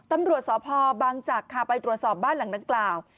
ตำรวจสพบังจักรค่ะไปตรวจสอบบ้านหลังดังกล่าว